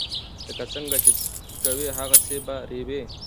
لکه څنګه چې کوې هغسې به ریبې.